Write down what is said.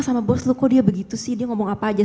sama bos lu kok dia begitu sih dia ngomong apa aja